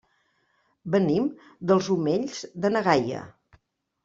Venim dels Omells de na Gaia.